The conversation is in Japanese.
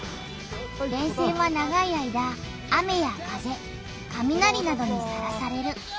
電線は長い間雨や風かみなりなどにさらされる。